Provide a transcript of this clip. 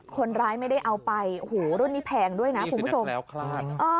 คนร้ายไม่ได้เอาไปโหรุ่นนี้แพงด้วยนะคุณผู้ชม